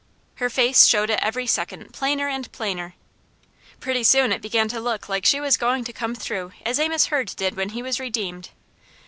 Her face showed it every second plainer and plainer. Pretty soon it began to look like she was going to come through as Amos Hurd did when he was redeemed.